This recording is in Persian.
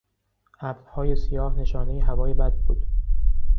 ابرهای سیاه نشانهی هوای بد بود.